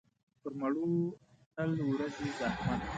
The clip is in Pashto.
پر مړو تل ورځي زحمت.